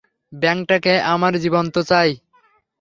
ব্যাঙটাকে আমার জীবন্ত চাই।